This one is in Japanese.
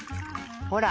ほら。